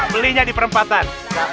belinya di perempatan